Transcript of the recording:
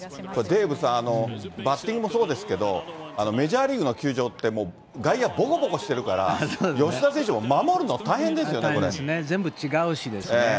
デーブさん、バッティングもそうですけど、メジャーリーグの球場って、もう外野、ぼこぼこしてるから、吉田選手も守るの大変大変ですね、全部違うしです